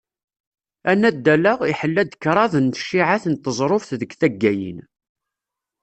Anaddal-a, iḥella-d kraḍ n cciεat n teẓruft deg taggayin.